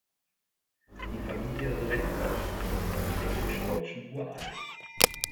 Die Familie Reventlow gehört zum dänisch-deutschen Uradel.